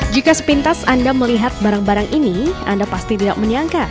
jika sepintas anda melihat barang barang ini anda pasti tidak menyangka